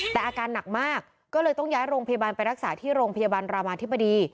แต่อาการหนักมากก็เลยต้องย้ายโรงพยาบาลไปรักษาที่โรงพยาบาลรามาธิบดี